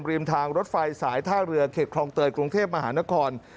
ริมทางรถไฟสายท่าเรือเขตคลองเตยกรุงเทพมหานคร